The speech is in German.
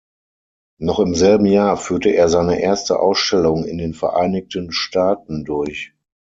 Noch im selben Jahr führte er seine erste Ausstellung in den Vereinigten Staaten durch.